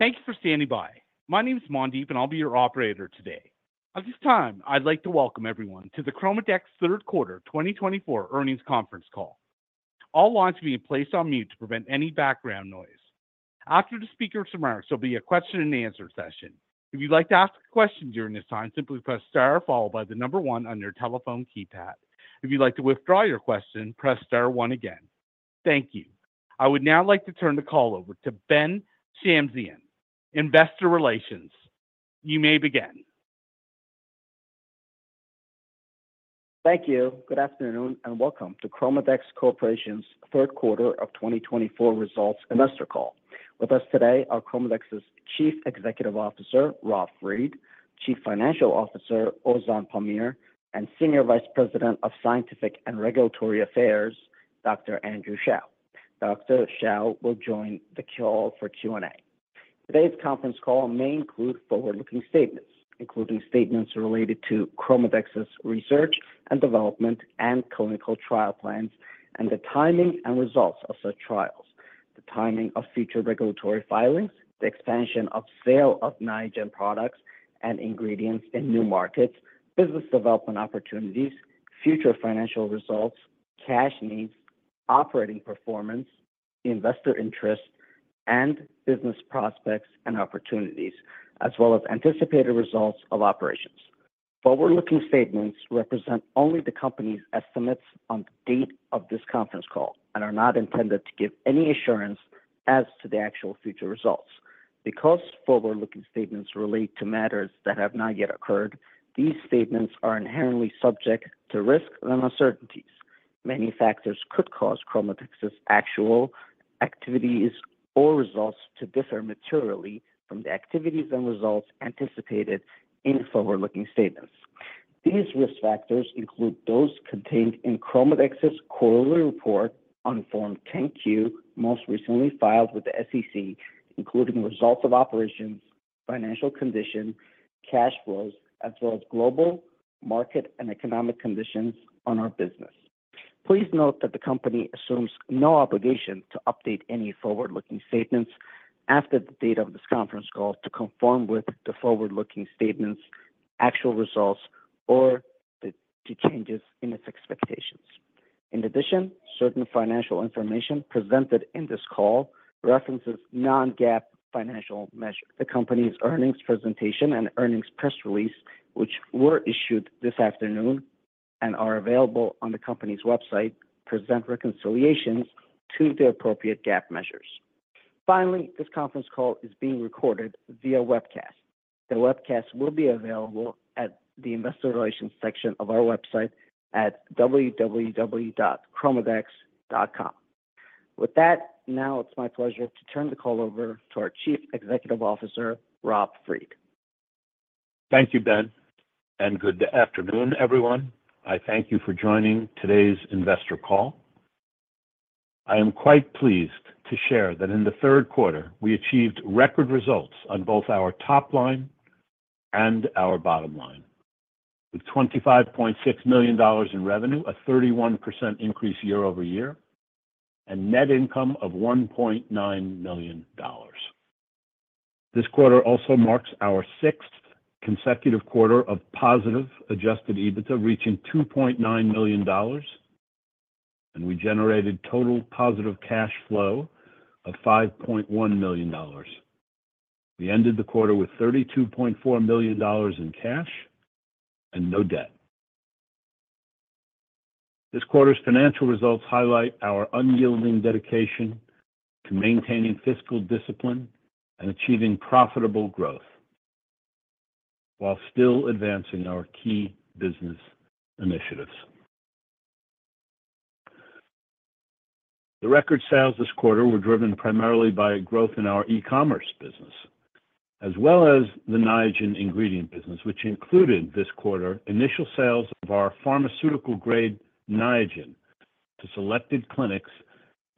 Thank you for standing by. My name is Mandeep, and I'll be your operator today. At this time, I'd like to welcome everyone to the ChromaDex Third Quarter 2024 earnings conference call. All lines are being placed on mute to prevent any background noise. After the speaker starts, there'll be a question-and-answer session. If you'd like to ask a question during this time, simply press star followed by the number one on your telephone keypad. If you'd like to withdraw your question, press star one again. Thank you. I would now like to turn the call over to Ben Shamsian, Investor Relations. You may begin. Thank you. Good afternoon and welcome to ChromaDex Corporation's Third Quarter of 2024 results investor call. With us today are ChromaDex's Chief Executive Officer, Rob Fried; Chief Financial Officer, Ozan Pamir; and Senior Vice President of Scientific and Regulatory Affairs, Dr. Andrew Shao. Dr. Shao will join the call for Q&A. Today's conference call may include forward-looking statements, including statements related to ChromaDex's research and development and clinical trial plans, and the timing and results of such trials, the timing of future regulatory filings, the expansion of sale of Niagen products and ingredients in new markets, business development opportunities, future financial results, cash needs, operating performance, investor interest, and business prospects and opportunities, as well as anticipated results of operations. Forward-looking statements represent only the company's estimates on the date of this conference call and are not intended to give any assurance as to the actual future results. Because forward-looking statements relate to matters that have not yet occurred, these statements are inherently subject to risk and uncertainties. Many factors could cause ChromaDex's actual activities or results to differ materially from the activities and results anticipated in forward-looking statements. These risk factors include those contained in ChromaDex's quarterly report on Form 10-Q most recently filed with the SEC, including results of operations, financial condition, cash flows, as well as global market and economic conditions on our business. Please note that the company assumes no obligation to update any forward-looking statements after the date of this conference call to conform with the forward-looking statements, actual results, or the changes in its expectations. In addition, certain financial information presented in this call references non-GAAP financial measures. The company's earnings presentation and earnings press release, which were issued this afternoon and are available on the company's website, present reconciliations to the appropriate GAAP measures. Finally, this conference call is being recorded via webcast. The webcast will be available at the Investor Relations section of our website at www.chromadex.com. With that, now it's my pleasure to turn the call over to our Chief Executive Officer, Rob Fried. Thank you, Ben, and good afternoon, everyone. I thank you for joining today's investor call. I am quite pleased to share that in the third quarter, we achieved record results on both our top line and our bottom line, with $25.6 million in revenue, a 31% increase year-over-year, and a net income of $1.9 million. This quarter also marks our sixth consecutive quarter of positive adjusted EBITDA, reaching $2.9 million, and we generated total positive cash flow of $5.1 million. We ended the quarter with $32.4 million in cash and no debt. This quarter's financial results highlight our unyielding dedication to maintaining fiscal discipline and achieving profitable growth while still advancing our key business initiatives. The record sales this quarter were driven primarily by growth in our e-commerce business, as well as the Niagen ingredient business, which included this quarter initial sales of our pharmaceutical-grade Niagen to selected clinics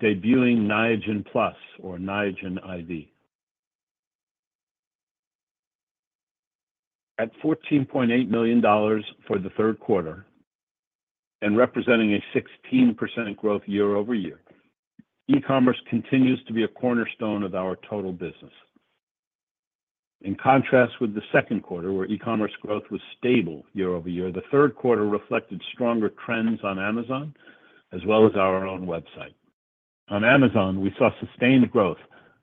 debuting Niagen Plus, or Niagen IV. At $14.8 million for the third quarter and representing a 16% growth year-over-year, e-commerce continues to be a cornerstone of our total business. In contrast with the second quarter, where e-commerce growth was stable year-over-year, the third quarter reflected stronger trends on Amazon as well as our own website. On Amazon, we saw sustained growth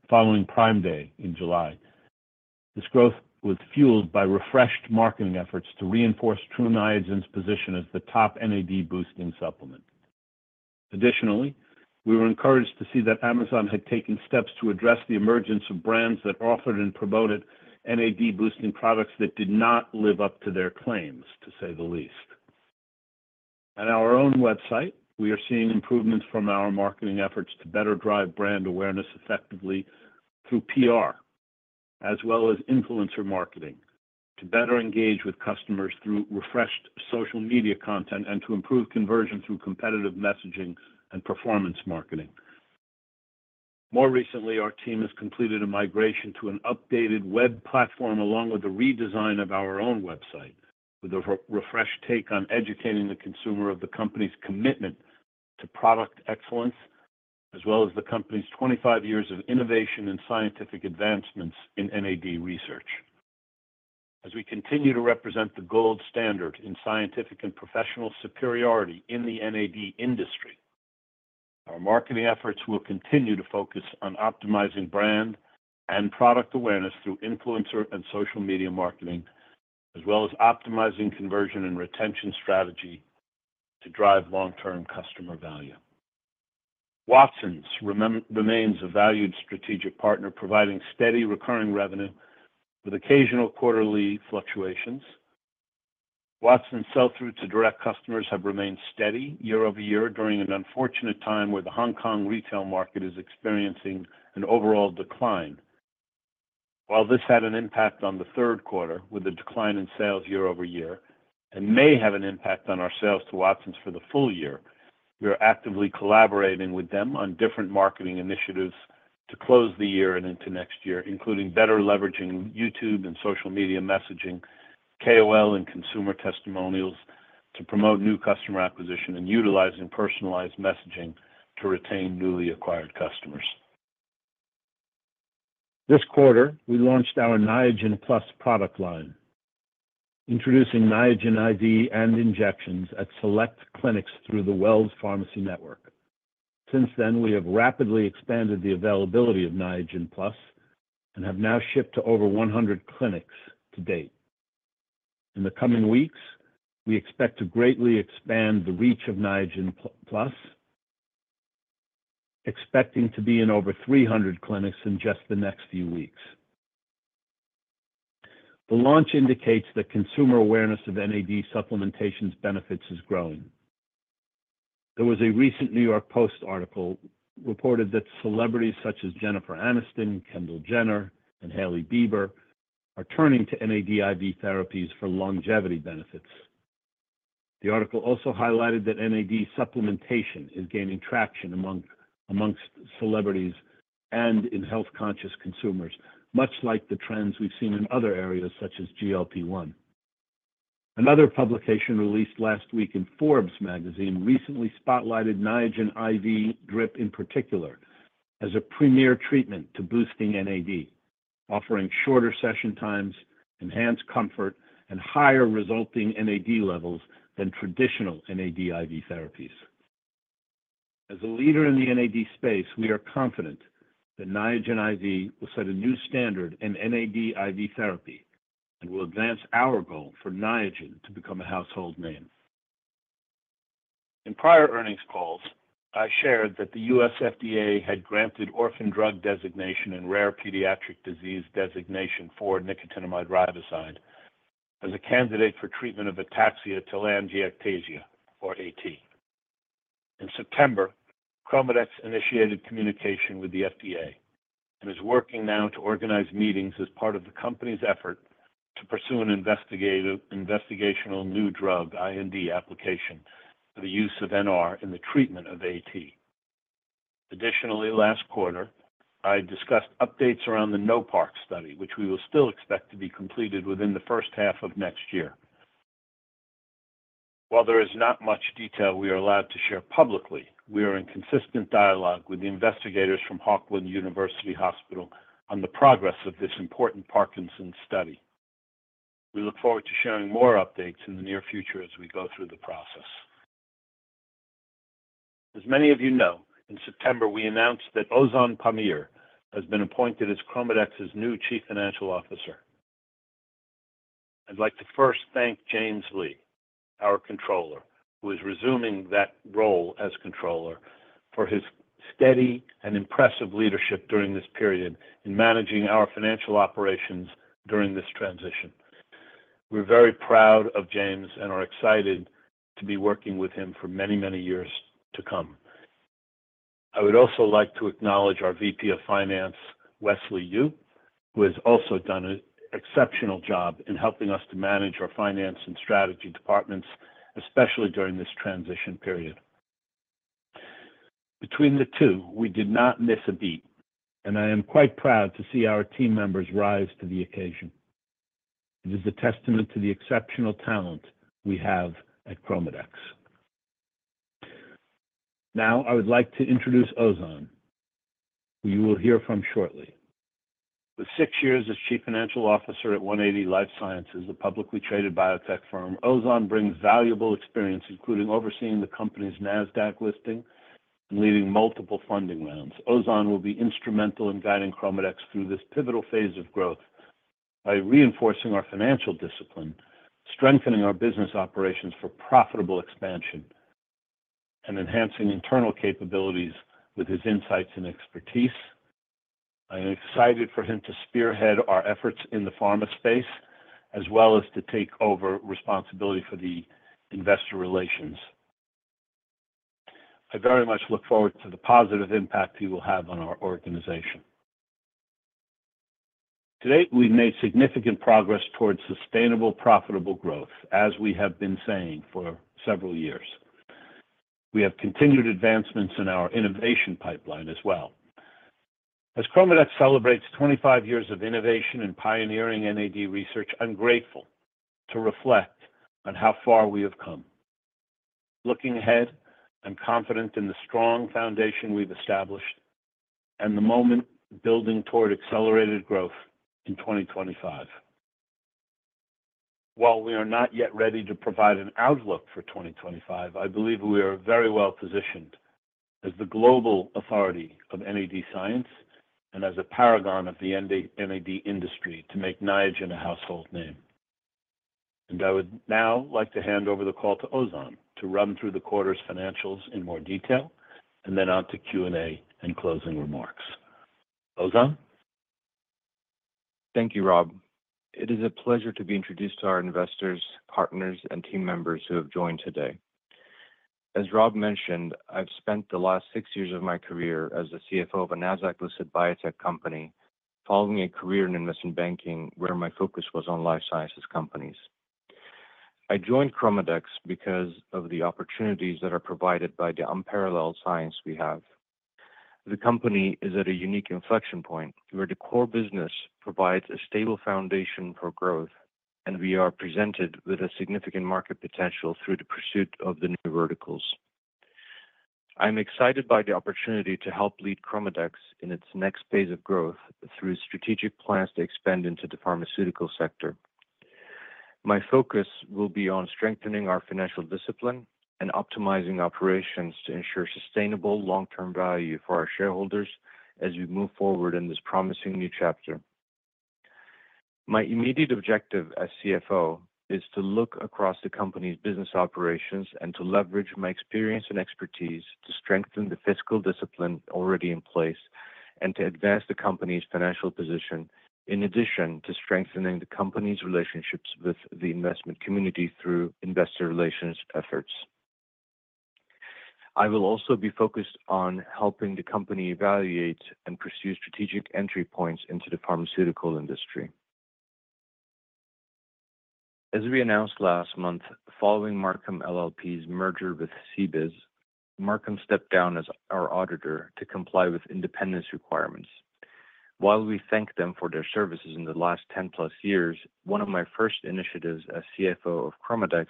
following Prime Day in July. This growth was fueled by refreshed marketing efforts to reinforce True Niagen's position as the top NAD-boosting supplement. Additionally, we were encouraged to see that Amazon had taken steps to address the emergence of brands that offered and promoted NAD-boosting products that did not live up to their claims, to say the least. At our own website, we are seeing improvements from our marketing efforts to better drive brand awareness effectively through PR, as well as influencer marketing, to better engage with customers through refreshed social media content, and to improve conversion through competitive messaging and performance marketing. More recently, our team has completed a migration to an updated web platform along with a redesign of our own website, with a refreshed take on educating the consumer of the company's commitment to product excellence, as well as the company's 25 years of innovation and scientific advancements in NAD research. As we continue to represent the gold standard in scientific and professional superiority in the NAD industry, our marketing efforts will continue to focus on optimizing brand and product awareness through influencer and social media marketing, as well as optimizing conversion and retention strategy to drive long-term customer value. Watsons remains a valued strategic partner, providing steady recurring revenue with occasional quarterly fluctuations. Watsons' sell-through to direct customers has remained steady year-over-year during an unfortunate time where the Hong Kong retail market is experiencing an overall decline. While this had an impact on the third quarter, with a decline in sales year-over-year, and may have an impact on our sales to Watsons for the full year, we are actively collaborating with them on different marketing initiatives to close the year and into next year, including better leveraging YouTube and social media messaging, KOL and consumer testimonials to promote new customer acquisition, and utilizing personalized messaging to retain newly acquired customers. This quarter, we launched our Niagen Plus product line, introducing Niagen IV and injections at select clinics through the Wells Pharmacy Network. Since then, we have rapidly expanded the availability of Niagen Plus and have now shipped to over 100 clinics to date. In the coming weeks, we expect to greatly expand the reach of Niagen Plus, expecting to be in over 300 clinics in just the next few weeks. The launch indicates that consumer awareness of NAD supplementation's benefits is growing. There was a recent New York Post article reporting that celebrities such as Jennifer Aniston, Kendall Jenner, and Hailey Bieber are turning to NAD IV therapies for longevity benefits. The article also highlighted that NAD supplementation is gaining traction amongst celebrities and in health-conscious consumers, much like the trends we've seen in other areas such as GLP-1. Another publication released last week in Forbes Magazine recently spotlighted Niagen IV drip in particular as a premier treatment to boosting NAD, offering shorter session times, enhanced comfort, and higher resulting NAD levels than traditional NAD IV therapies. As a leader in the NAD space, we are confident that Niagen IV will set a new standard in NAD IV therapy and will advance our goal for Niagen to become a household name. In prior earnings calls, I shared that the U.S. FDA had granted Orphan Drug Designation and Rare Pediatric Disease Designation for nicotinamide riboside as a candidate for treatment of ataxia telangiectasia, or AT. In September, ChromaDex initiated communication with the FDA and is working now to organize meetings as part of the company's effort to pursue an investigational new drug, IND, application for the use of NR in the treatment of AT. Additionally, last quarter, I discussed updates around the NOPARC study, which we will still expect to be completed within the first half of next year. While there is not much detail we are allowed to share publicly, we are in consistent dialogue with the investigators from Haukeland University Hospital on the progress of this important Parkinson's study. We look forward to sharing more updates in the near future as we go through the process. As many of you know, in September, we announced that Ozan Pamir has been appointed as ChromaDex's new Chief Financial Officer. I'd like to first thank James Lee, our controller, who is resuming that role as controller for his steady and impressive leadership during this period in managing our financial operations during this transition. We're very proud of James and are excited to be working with him for many, many years to come. I would also like to acknowledge our VP of Finance, Wesley Yu, who has also done an exceptional job in helping us to manage our finance and strategy departments, especially during this transition period. Between the two, we did not miss a beat, and I am quite proud to see our team members rise to the occasion. It is a testament to the exceptional talent we have at ChromaDex. Now, I would like to introduce Ozan, who you will hear from shortly. For six years as Chief Financial Officer at 180 Life Sciences, a publicly traded biotech firm, Ozan brings valuable experience, including overseeing the company's NASDAQ listing and leading multiple funding rounds. Ozan will be instrumental in guiding ChromaDex through this pivotal phase of growth by reinforcing our financial discipline, strengthening our business operations for profitable expansion, and enhancing internal capabilities with his insights and expertise. I am excited for him to spearhead our efforts in the pharma space, as well as to take over responsibility for the investor relations. I very much look forward to the positive impact he will have on our organization. Today, we've made significant progress towards sustainable, profitable growth, as we have been saying for several years. We have continued advancements in our innovation pipeline as well. As ChromaDex celebrates 25 years of innovation and pioneering NAD research, I'm grateful to reflect on how far we have come, looking ahead and confident in the strong foundation we've established and the moment building toward accelerated growth in 2025. While we are not yet ready to provide an outlook for 2025, I believe we are very well positioned as the global authority of NAD science and as a paragon of the NAD industry to make Niagen a household name. And I would now like to hand over the call to Ozan to run through the quarter's financials in more detail and then on to Q&A and closing remarks. Ozan? Thank you, Rob. It is a pleasure to be introduced to our investors, partners, and team members who have joined today. As Rob mentioned, I've spent the last six years of my career as the CFO of a NASDAQ-listed biotech company following a career in investment banking where my focus was on life sciences companies. I joined ChromaDex because of the opportunities that are provided by the unparalleled science we have. The company is at a unique inflection point where the core business provides a stable foundation for growth, and we are presented with a significant market potential through the pursuit of the new verticals. I'm excited by the opportunity to help lead ChromaDex in its next phase of growth through strategic plans to expand into the pharmaceutical sector. My focus will be on strengthening our financial discipline and optimizing operations to ensure sustainable long-term value for our shareholders as we move forward in this promising new chapter. My immediate objective as CFO is to look across the company's business operations and to leverage my experience and expertise to strengthen the fiscal discipline already in place and to advance the company's financial position, in addition to strengthening the company's relationships with the investment community through investor relations efforts. I will also be focused on helping the company evaluate and pursue strategic entry points into the pharmaceutical industry. As we announced last month, following Marcum LLP's merger with CBIZ, Marcum stepped down as our auditor to comply with independence requirements. While we thank them for their services in the last 10-plus years, one of my first initiatives as CFO of ChromaDex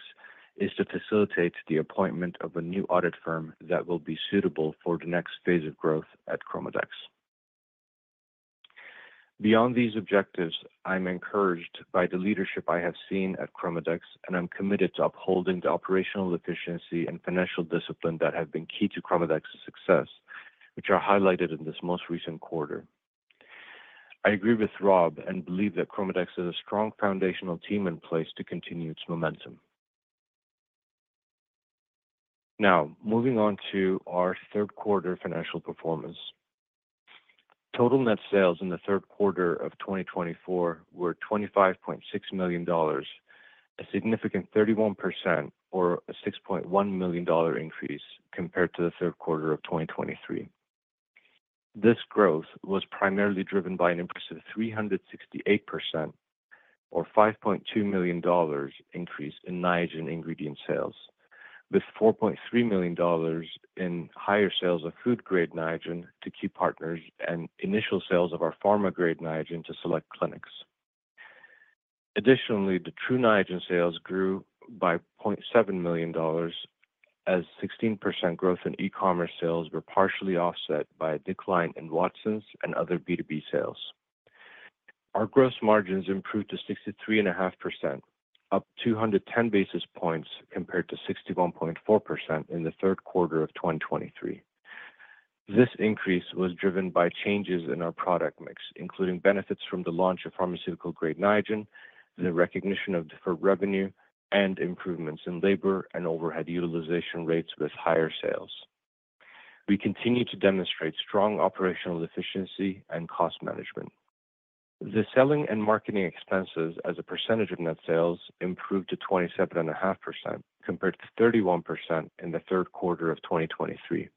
is to facilitate the appointment of a new audit firm that will be suitable for the next phase of growth at ChromaDex. Beyond these objectives, I'm encouraged by the leadership I have seen at ChromaDex, and I'm committed to upholding the operational efficiency and financial discipline that have been key to ChromaDex's success, which are highlighted in this most recent quarter. I agree with Rob and believe that ChromaDex has a strong foundational team in place to continue its momentum. Now, moving on to our third quarter financial performance. Total net sales in the third quarter of 2024 were $25.6 million, a significant 31% or a $6.1 million increase compared to the third quarter of 2023. This growth was primarily driven by an impressive 368% or $5.2 million increase in Niagen ingredient sales, with $4.3 million in higher sales of food-grade Niagen to key partners and initial sales of our pharma-grade Niagen to select clinics. Additionally, the True Niagen sales grew by $0.7 million as 16% growth in e-commerce sales were partially offset by a decline in Watsons and other B2B sales. Our gross margins improved to 63.5%, up 210 basis points compared to 61.4% in the third quarter of 2023. This increase was driven by changes in our product mix, including benefits from the launch of pharmaceutical-grade Niagen, the recognition of deferred revenue, and improvements in labor and overhead utilization rates with higher sales. We continue to demonstrate strong operational efficiency and cost management. The selling and marketing expenses as a percentage of net sales improved to 27.5% compared to 31% in the third quarter of 2023.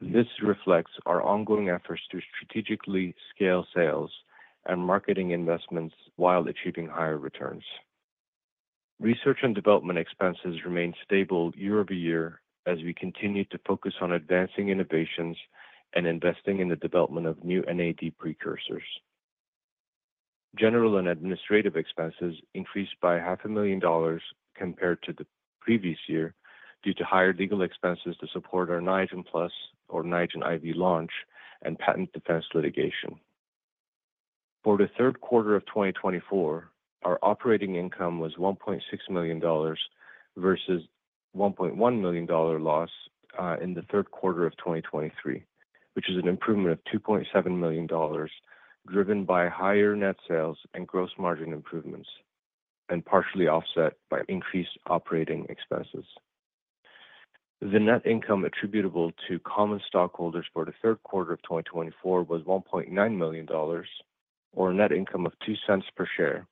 This reflects our ongoing efforts to strategically scale sales and marketing investments while achieving higher returns. Research and development expenses remain stable year-over-year as we continue to focus on advancing innovations and investing in the development of new NAD precursors. General and administrative expenses increased by $500,000 compared to the previous year due to higher legal expenses to support our Niagen Plus or Niagen IV launch and patent defense litigation. For the third quarter of 2024, our operating income was $1.6 million versus $1.1 million loss in the third quarter of 2023, which is an improvement of $2.7 million driven by higher net sales and gross margin improvements and partially offset by increased operating expenses. The net income attributable to common stockholders for the third quarter of 2024 was $1.9 million or a net income of $0.02 per share,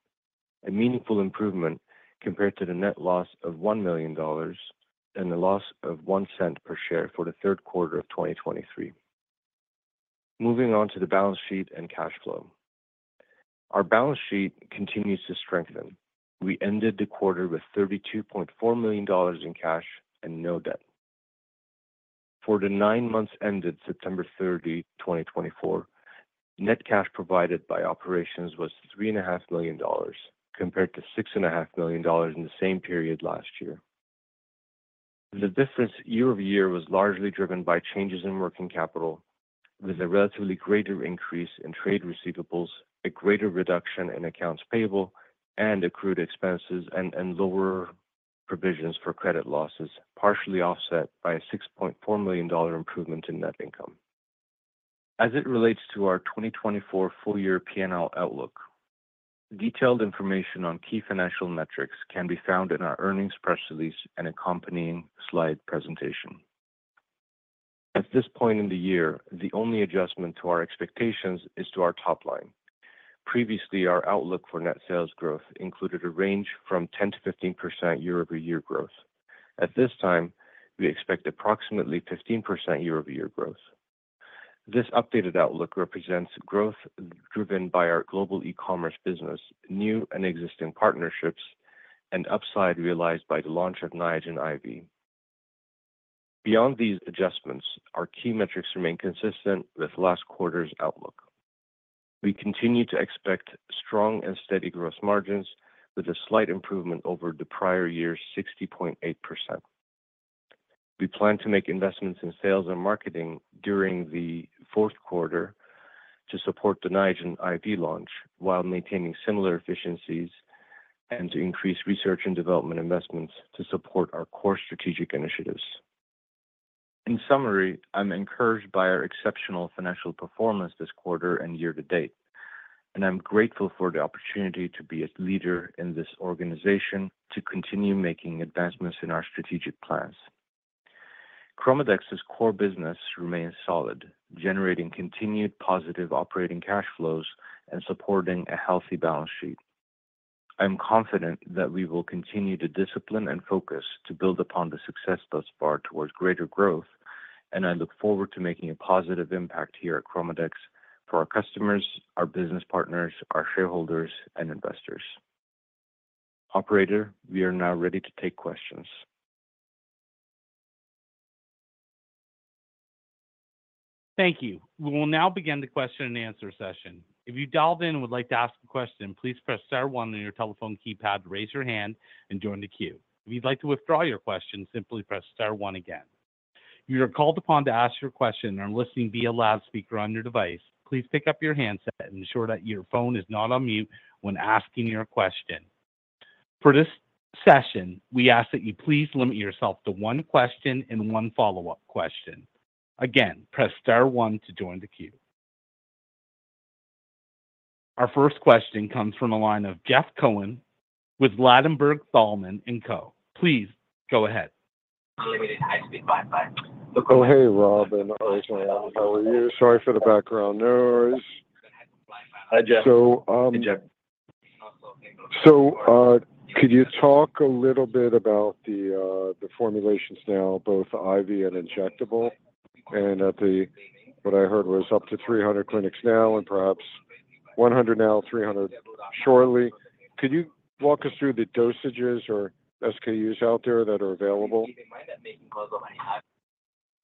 a meaningful improvement compared to the net loss of $1 million and the loss of $0.01 per share for the third quarter of 2023. Moving on to the balance sheet and cash flow. Our balance sheet continues to strengthen. We ended the quarter with $32.4 million in cash and no debt. For the nine months ended September 30, 2024, net cash provided by operations was $3.5 million compared to $6.5 million in the same period last year. The difference year-over-year was largely driven by changes in working capital, with a relatively greater increase in trade receivables, a greater reduction in accounts payable, and accrued expenses, and lower provisions for credit losses, partially offset by a $6.4 million improvement in net income. As it relates to our 2024 full-year P&L outlook, detailed information on key financial metrics can be found in our earnings press release and accompanying slide presentation. At this point in the year, the only adjustment to our expectations is to our top line. Previously, our outlook for net sales growth included a range from 10%-15% year-over-year growth. At this time, we expect approximately 15% year-over-year growth. This updated outlook represents growth driven by our global e-commerce business, new and existing partnerships, and upside realized by the launch of Niagen IV. Beyond these adjustments, our key metrics remain consistent with last quarter's outlook. We continue to expect strong and steady gross margins with a slight improvement over the prior year's 60.8%. We plan to make investments in sales and marketing during the fourth quarter to support the Niagen IV launch while maintaining similar efficiencies and to increase research and development investments to support our core strategic initiatives. In summary, I'm encouraged by our exceptional financial performance this quarter and year to date, and I'm grateful for the opportunity to be a leader in this organization to continue making advancements in our strategic plans. ChromaDex's core business remains solid, generating continued positive operating cash flows and supporting a healthy balance sheet. I'm confident that we will continue to discipline and focus to build upon the success thus far towards greater growth, and I look forward to making a positive impact here at ChromaDex for our customers, our business partners, our shareholders, and investors. Operator, we are now ready to take questions. Thank you. We will now begin the question and answer session. If you dialed in and would like to ask a question, please press star one on your telephone keypad to raise your hand and join the queue. If you'd like to withdraw your question, simply press star one again. You are called upon to ask your question and are listening via loudspeaker on your device. Please pick up your handset and ensure that your phone is not on mute when asking your question. For this session, we ask that you please limit yourself to one question and one follow-up question. Again, press star one to join the queue. Our first question comes from a line of Jeff Cohen with Ladenburg Thalmann & Co. Please go ahead. Hey, Rob, and sorry for the background noise. Hi, Jeff. Could you talk a little bit about the formulations now, both IV and injectable? What I heard was up to 300 clinics now and perhaps 100 now, 300 shortly. Could you walk us through the dosages or SKUs out there that are available?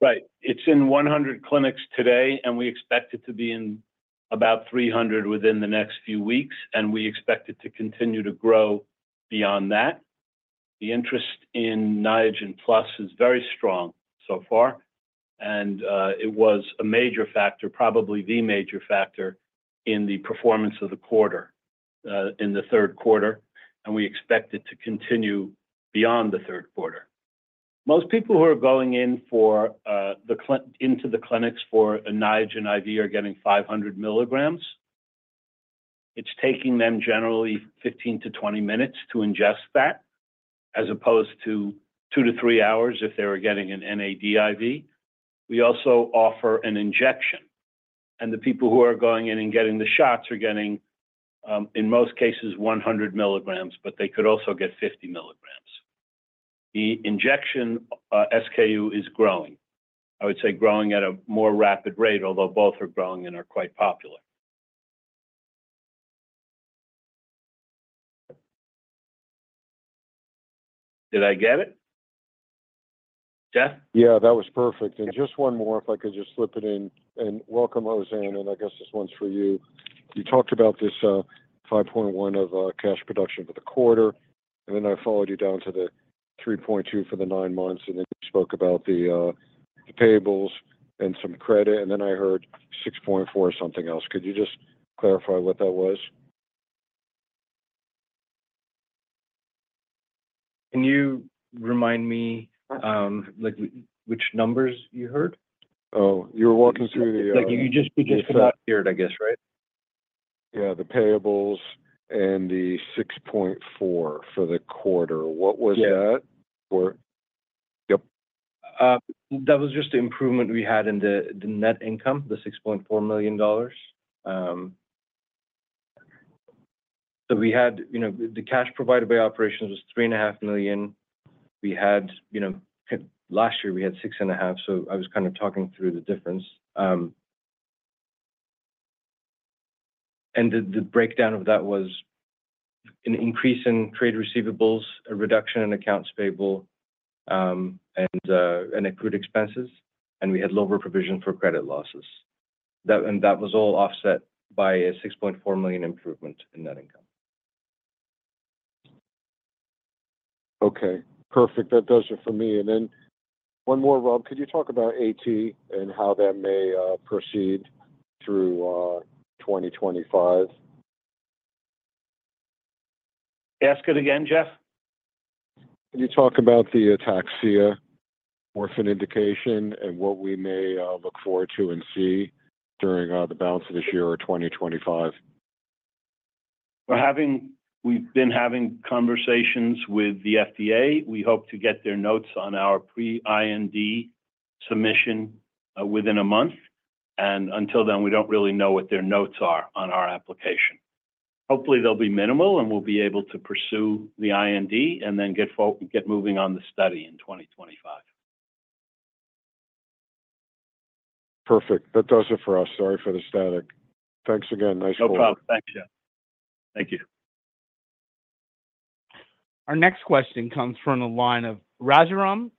Right. It's in 100 clinics today, and we expect it to be in about 300 within the next few weeks, and we expect it to continue to grow beyond that. The interest in Niagen Plus is very strong so far, and it was a major factor, probably the major factor in the performance of the quarter in the third quarter, and we expect it to continue beyond the third quarter. Most people who are going into the clinics for a Niagen IV are getting 500 mg. It's taking them generally 15-20 minutes to ingest that as opposed to 2-3 hours if they were getting an NAD IV. We also offer an injection, and the people who are going in and getting the shots are getting, in most cases, 100 mg, but they could also get 50 mg. The injection SKU is growing. I would say growing at a more rapid rate, although both are growing and are quite popular. Did I get it? Jeff? Yeah, that was perfect. And just one more, if I could just slip it in. And welcome, Ozan. And I guess this one's for you. You talked about this $5.1 million of cash production for the quarter, and then I followed you down to the $3.2 million for the nine months, and then you spoke about the payables and some credit, and then I heard $6.4 million or something else. Could you just clarify what that was? Can you remind me which numbers you heard? Oh, you were walking through the. You just cut out and hear it, I guess, right? Yeah, the payables and the $6.4 for the quarter. What was that? Yeah. Yep. That was just the improvement we had in the net income, the $6.4 million, so we had the cash provided by operations was $3.5 million. Last year, we had $6.5 million, so I was kind of talking through the difference, and the breakdown of that was an increase in trade receivables, a reduction in accounts payable, and accrued expenses, and we had lower provisions for credit losses, and that was all offset by a $6.4 million improvement in net income. Okay. Perfect. That does it for me, and then one more, Rob, could you talk about AT and how that may proceed through 2025? Ask it again, Jeff. Could you talk about the next year or FDA indication and what we may look forward to and see during the balance of this year or 2025? We've been having conversations with the FDA. We hope to get their notes on our pre-IND submission within a month. And until then, we don't really know what their notes are on our application. Hopefully, they'll be minimal, and we'll be able to pursue the IND and then get moving on the study in 2025. Perfect. That does it for us. Sorry for the static. Thanks again. Nice quarter. No problem. Thanks, Jeff. Thank you. Our next question comes from the line of Raghuram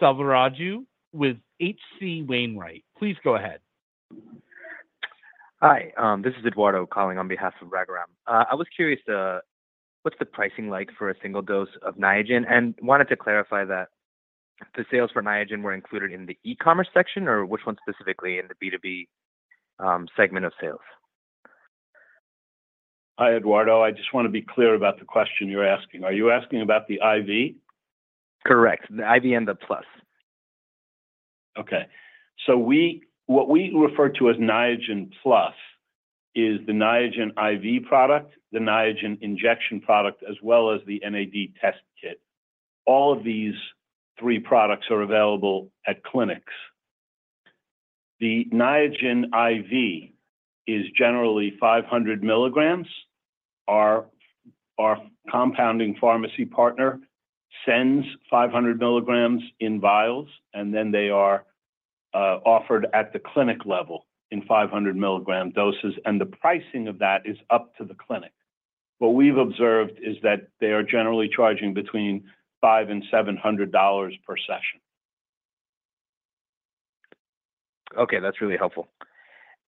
Selvaraju with H.C. Wainwright. Please go ahead. Hi, this is Eduardo calling on behalf of Raghuram. I was curious, what's the pricing like for a single dose of Niagen? And wanted to clarify that the sales for Niagen were included in the e-commerce section or which one specifically in the B2B segment of sales? Hi, Eduardo. I just want to be clear about the question you're asking. Are you asking about the IV? Correct. The IV and the Plus. Okay. So what we refer to as Niagen Plus is the Niagen IV product, the Niagen injection product, as well as the NAD test kit. All of these three products are available at clinics. The Niagen IV is generally 500 mg. Our compounding pharmacy partner sends 500 mg in vials, and then they are offered at the clinic level in 500 mg doses. And the pricing of that is up to the clinic. What we've observed is that they are generally charging between $500 and $700 dollars per session. Okay. That's really helpful.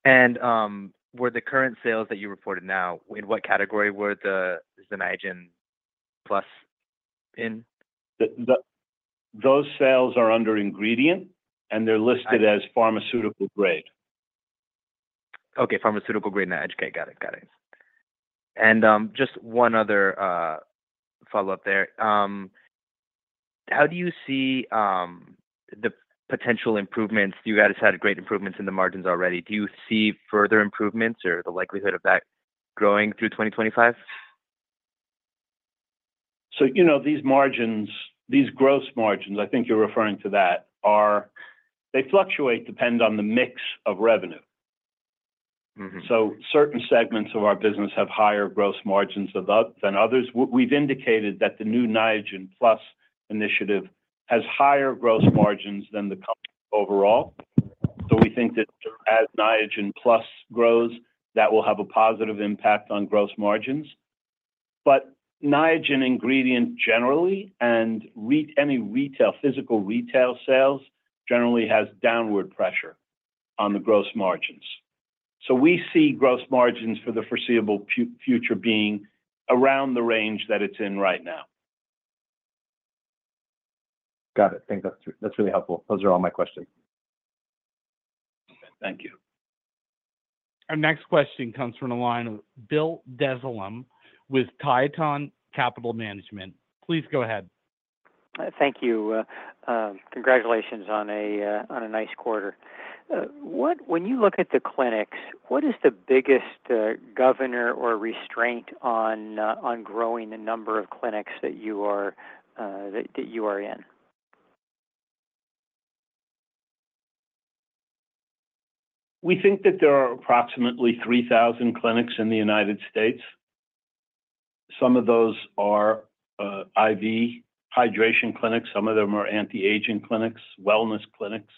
And were the current sales that you reported now, in what category was the Niagen Plus in? Those sales are under ingredient, and they're listed as pharmaceutical grade. Okay. Pharmaceutical grade Niagen injectables. Got it. Got it, and just one other follow-up there. How do you see the potential improvements? You guys had great improvements in the margins already. Do you see further improvements or the likelihood of that growing through 2025? So these margins, these gross margins, I think you're referring to that, they fluctuate depending on the mix of revenue. So certain segments of our business have higher gross margins than others. We've indicated that the new Niagen Plus initiative has higher gross margins than the company overall. So we think that as Niagen Plus grows, that will have a positive impact on gross margins. But Niagen ingredient generally and any physical retail sales generally has downward pressure on the gross margins. So we see gross margins for the foreseeable future being around the range that it's in right now. Got it. Thanks. That's really helpful. Those are all my questions. Thank you. Our next question comes from the line of Bill Dezellem with Tieton Capital Management. Please go ahead. Thank you. Congratulations on a nice quarter. When you look at the clinics, what is the biggest governor or restraint on growing the number of clinics that you are in? We think that there are approximately 3,000 clinics in the United States. Some of those are IV hydration clinics. Some of them are anti-aging clinics, wellness clinics,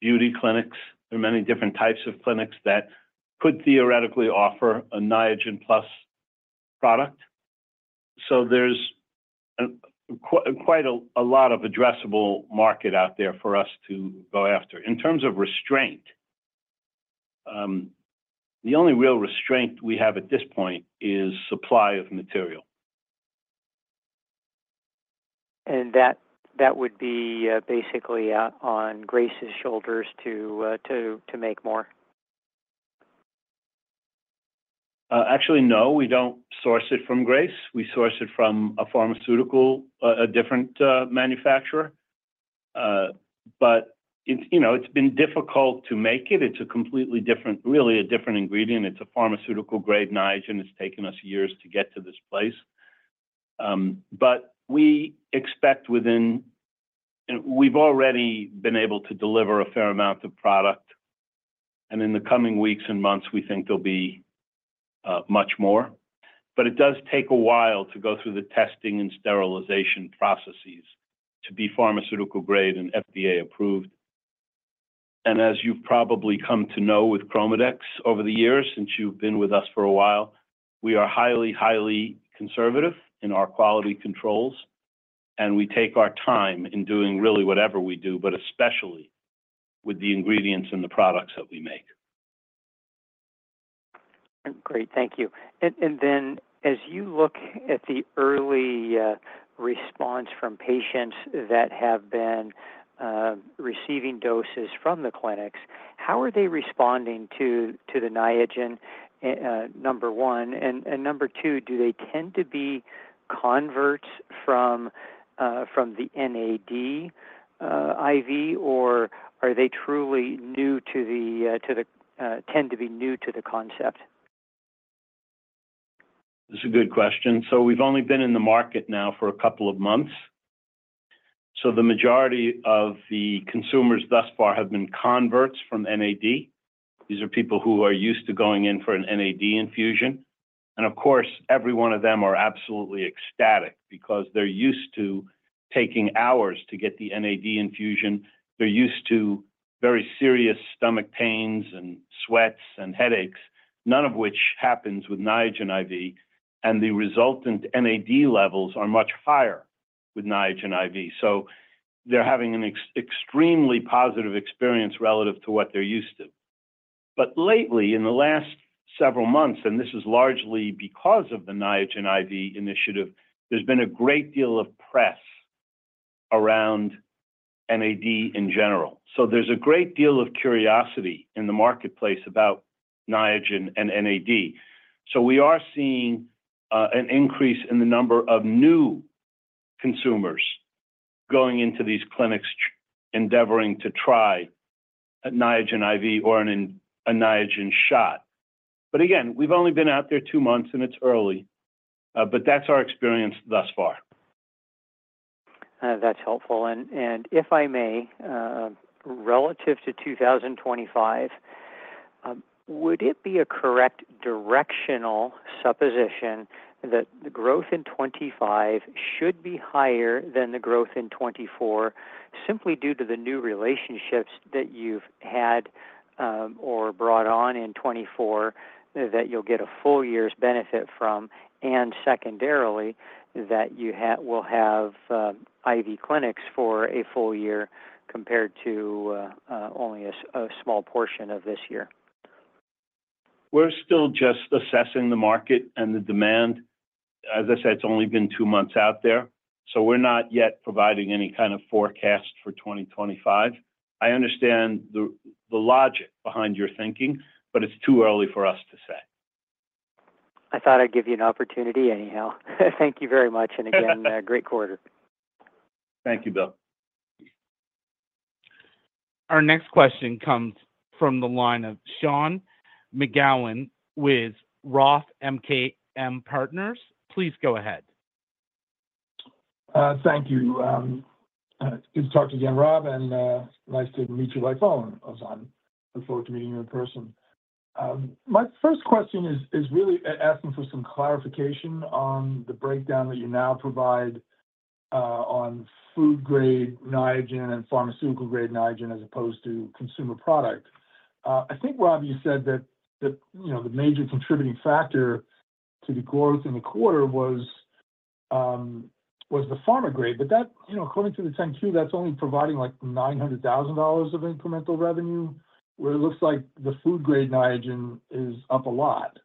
beauty clinics. There are many different types of clinics that could theoretically offer a Niagen Plus product. So there's quite a lot of addressable market out there for us to go after. In terms of restraint, the only real restraint we have at this point is supply of material. That would be basically on Grace's shoulders to make more? Actually, no. We don't source it from Grace. We source it from a pharmaceutical, a different manufacturer. But it's been difficult to make it. It's a completely different, really a different ingredient. It's a pharmaceutical-grade Niagen. It's taken us years to get to this place. But we expect within, we've already been able to deliver a fair amount of product. And in the coming weeks and months, we think there'll be much more. But it does take a while to go through the testing and sterilization processes to be pharmaceutical-grade and FDA approved. And as you've probably come to know with ChromaDex over the years, since you've been with us for a while, we are highly, highly conservative in our quality controls. And we take our time in doing really whatever we do, but especially with the ingredients and the products that we make. Great. Thank you. And then as you look at the early response from patients that have been receiving doses from the clinics, how are they responding to the Niagen, number one? And number two, do they tend to be converts from the NAD IV, or are they truly new to the concept? That's a good question. So we've only been in the market now for a couple of months. So the majority of the consumers thus far have been converts from NAD. These are people who are used to going in for an NAD infusion, and of course, every one of them are absolutely ecstatic because they're used to taking hours to get the NAD infusion. They're used to very serious stomach pains and sweats and headaches, none of which happens with Niagen IV, and the resultant NAD levels are much higher with Niagen IV, so they're having an extremely positive experience relative to what they're used to, but lately, in the last several months, and this is largely because of the Niagen IV initiative, there's been a great deal of press around NAD in general, so there's a great deal of curiosity in the marketplace about Niagen and NAD. So we are seeing an increase in the number of new consumers going into these clinics endeavoring to try a Niagen IV or a Niagen shot. But again, we've only been out there two months, and it's early. But that's our experience thus far. That's helpful. And if I may, relative to 2025, would it be a correct directional supposition that the growth in 2025 should be higher than the growth in 2024 simply due to the new relationships that you've had or brought on in 2024 that you'll get a full year's benefit from, and secondarily, that you will have IV clinics for a full year compared to only a small portion of this year? We're still just assessing the market and the demand. As I said, it's only been two months out there. So we're not yet providing any kind of forecast for 2025. I understand the logic behind your thinking, but it's too early for us to say. I thought I'd give you an opportunity anyhow. Thank you very much, and again, great quarter. Thank you, Bill. Our next question comes from the line of Sean McGowan with Roth MKM Partners. Please go ahead. Thank you. Good to talk to you again, Rob. And nice to meet you by phone, Ozan. Look forward to meeting you in person. My first question is really asking for some clarification on the breakdown that you now provide on food-grade Niagen and pharmaceutical-grade Niagen as opposed to consumer product. I think, Rob, you said that the major contributing factor to the growth in the quarter was the pharma grade. But according to the 10-Q, that's only providing like $900,000 of incremental revenue, where it looks like the food-grade Niagen is up a lot,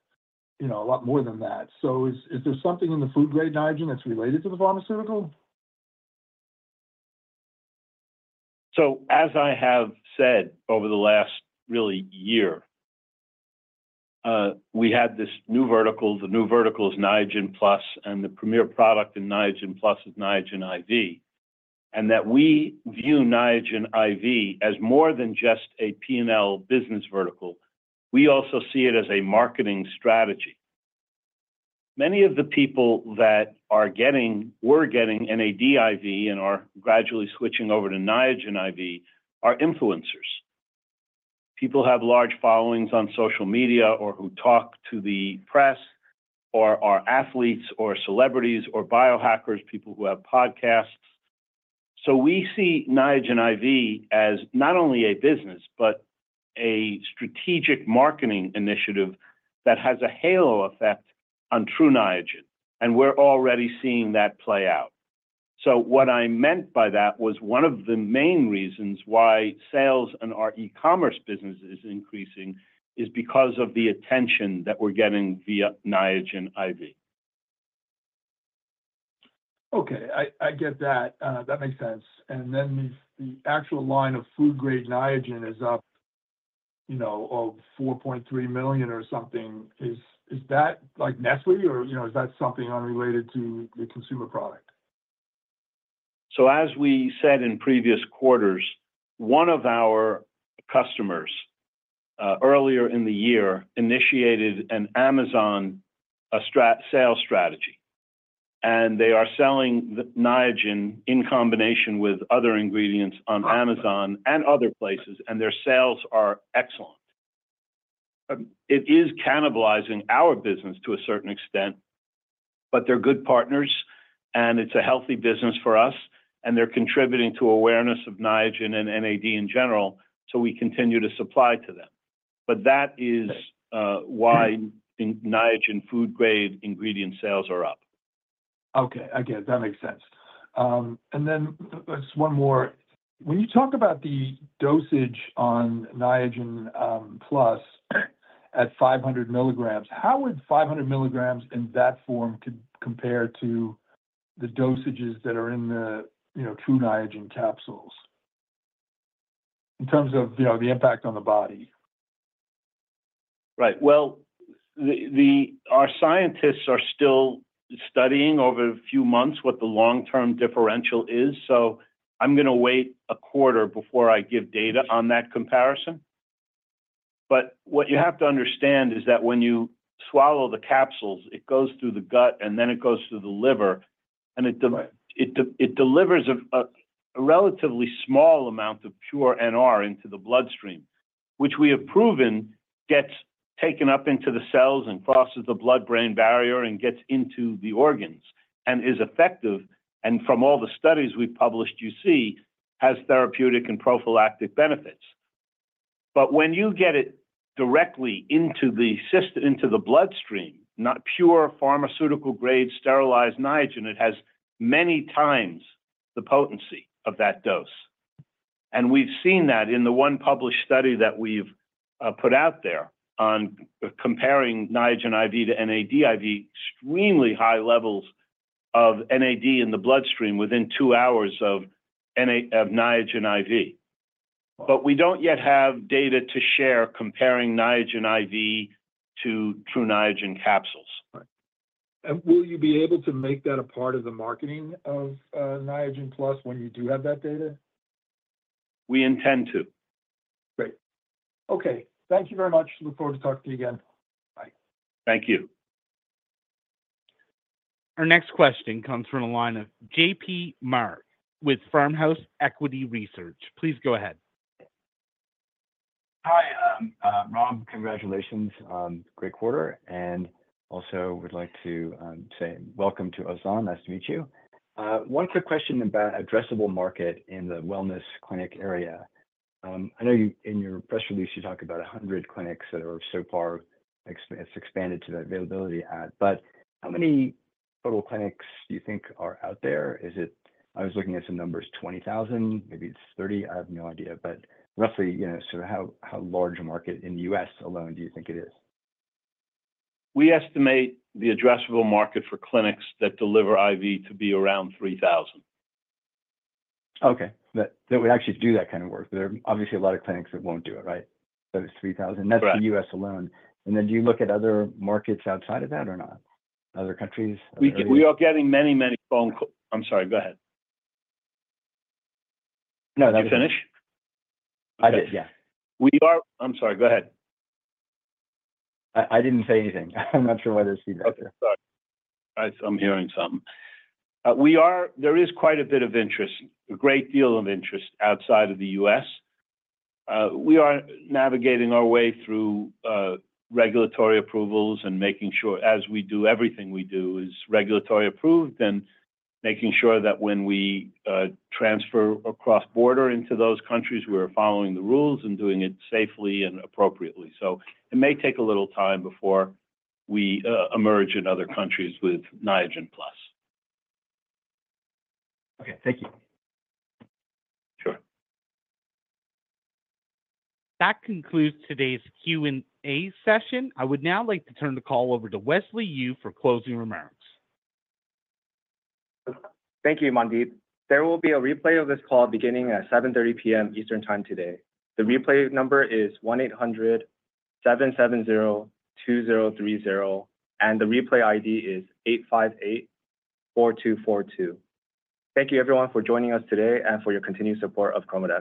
a lot more than that. So is there something in the food-grade Niagen that's related to the pharmaceutical? So as I have said over the last really year, we had this new vertical. The new vertical is Niagen Plus, and the premier product in Niagen Plus is Niagen IV. And that we view Niagen IV as more than just a P&L business vertical. We also see it as a marketing strategy. Many of the people that were getting NAD IV and are gradually switching over to Niagen IV are influencers. People have large followings on social media or who talk to the press or are athletes or celebrities or biohackers, people who have podcasts. So we see Niagen IV as not only a business, but a strategic marketing initiative that has a halo effect on True Niagen. And we're already seeing that play out. So what I meant by that was one of the main reasons why sales in our e-commerce business is increasing is because of the attention that we're getting via Niagen IV. Okay. I get that. That makes sense. And then the actual line of food-grade Niagen is up of 4.3 million or something. Is that like Nestlé, or is that something unrelated to the consumer product? So as we said in previous quarters, one of our customers earlier in the year initiated an Amazon sales strategy. And they are selling Niagen in combination with other ingredients on Amazon and other places, and their sales are excellent. It is cannibalizing our business to a certain extent, but they're good partners, and it's a healthy business for us. And they're contributing to awareness of Niagen and NAD in general, so we continue to supply to them. But that is why Niagen food-grade ingredient sales are up. Okay. I get it. That makes sense. And then just one more. When you talk about the dosage on Niagen Plus at 500 mg, how would 500 mg in that form compare to the dosages that are in the True Niagen capsules in terms of the impact on the body? Right. Well, our scientists are still studying over a few months what the long-term differential is. So I'm going to wait a quarter before I give data on that comparison. But what you have to understand is that when you swallow the capsules, it goes through the gut, and then it goes through the liver. And it delivers a relatively small amount of pure NR into the bloodstream, which we have proven gets taken up into the cells and crosses the blood-brain barrier and gets into the organs and is effective. And from all the studies we've published, you see it has therapeutic and prophylactic benefits. But when you get it directly into the bloodstream, not pure pharmaceutical-grade sterilized Niagen, it has many times the potency of that dose. We've seen that in the one published study that we've put out there on comparing Niagen IV to NAD IV, extremely high levels of NAD in the bloodstream within two hours of Niagen IV. We don't yet have data to share comparing Niagen IV to True Niagen capsules. Right. And will you be able to make that a part of the marketing of Niagen Plus when you do have that data? We intend to. Great. Okay. Thank you very much. Look forward to talking to you again. Bye. Thank you. Our next question comes from the line of J.P. Mark with Farmhouse Equity Research. Please go ahead. Hi, Rob. Congratulations on great quarter, and also, we'd like to say welcome to Ozan. Nice to meet you. One quick question about addressable market in the wellness clinic area. I know in your press release, you talked about 100 clinics that are so far expanded to the availability ad. But how many total clinics do you think are out there? I was looking at some numbers, 20,000. Maybe it's 30. I have no idea. But roughly, sort of how large a market in the U.S. alone do you think it is? We estimate the addressable market for clinics that deliver IV to be around 3,000. Okay. That would actually do that kind of work. There are obviously a lot of clinics that won't do it, right? Those 3,000. That's the U.S. alone, and then do you look at other markets outside of that or not? Other countries? We are getting many, many phone calls. I'm sorry. Go ahead. No, that was. You finished? I did. Yeah. I'm sorry. Go ahead. I didn't say anything. I'm not sure why there's feedback. Okay. Sorry. I'm hearing something. There is quite a bit of interest, a great deal of interest outside of the U.S. We are navigating our way through regulatory approvals and making sure, as we do everything we do, is regulatory approved and making sure that when we transfer across border into those countries, we're following the rules and doing it safely and appropriately. So it may take a little time before we emerge in other countries with Niagen Plus. Okay. Thank you. Sure. That concludes today's Q&A session. I would now like to turn the call over to Wesley Yu for closing remarks. Thank you, Mandeep. There will be a replay of this call beginning at 7:30 P.M. Eastern Time today. The replay number is 1-800-770-2030, and the replay ID is 8584242. Thank you, everyone, for joining us today and for your continued support of ChromaDex.